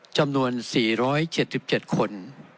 จำนวน๔๗๗คน